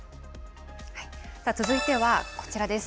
続いてはこちらです。